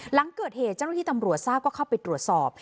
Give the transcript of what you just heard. หลังเกิดเหตุเจ้าหน้าที่ตำรวจทราบก็เข้าไปตรวจสอบ